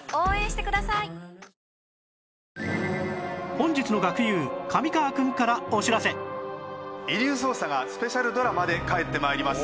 本日の学友『遺留捜査』がスペシャルドラマで帰って参ります。